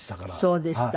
そうでした。